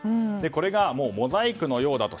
これがモザイクのようだと。